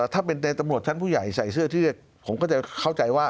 ถ้าเป็นในตำรวจชั้นผู้ใหญ่ใส่เสื้อที่ผมก็จะเข้าใจว่า